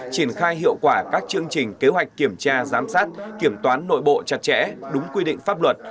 triển khai hiệu quả các chương trình kế hoạch kiểm tra giám sát kiểm toán nội bộ chặt chẽ đúng quy định pháp luật